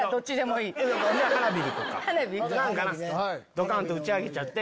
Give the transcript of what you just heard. ドカン！と打ち上げちゃって！